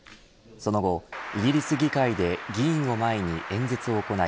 その後イギリス議会で議員を前に演説を行い